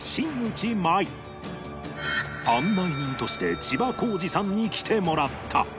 案内人として千葉公慈さんに来てもらった